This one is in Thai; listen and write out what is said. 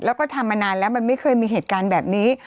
แล้วก็ทำมานานแล้วมันไม่เคยมีเหตุการณ์แบบนี้